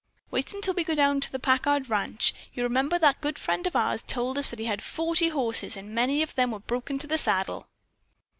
Wait until we go down to the Packard ranch. You remember that good friend of ours told us that he had forty horses and many of them were broken to the saddle."